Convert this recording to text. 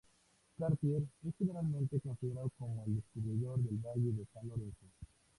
Cartier es generalmente considerado como el descubridor del valle del San Lorenzo.